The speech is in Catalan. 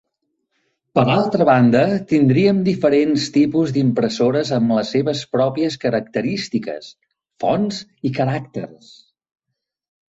Per altra banda tindríem diferents tipus d'impressores amb les seves pròpies característiques, fonts i caràcters.